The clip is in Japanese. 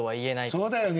そうだよね。